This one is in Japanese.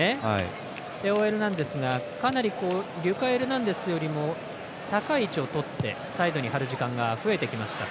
テオ・エルナンデスがかなりリュカ・エルナンデスよりも高い位置をとってサイドに張る時間が増えてきました。